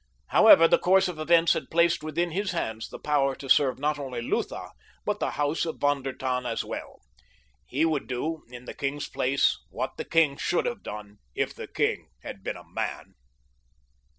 However, the course of events had placed within his hands the power to serve not only Lutha but the house of Von der Tann as well. He would do in the king's place what the king should have done if the king had been a man.